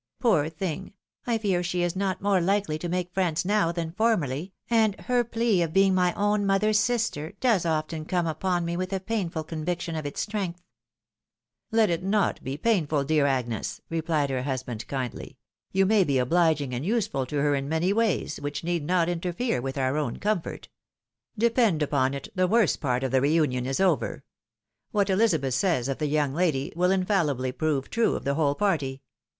Poor thing! I fear she is not more likely to make friends now, than formerly, and her plea of being my own . mother's sister does often come upon me with a painful convic tion of its strength !"" Let it not be painful, dear Agnes! " replied her husband, kindly ;" you may be obliging and useful to her in many ways, which need not interfere with our own comfort. Depend upon it the worst part of the re union is over. What Elizabeth says of the young lady, will infallibly prove true of the whole party.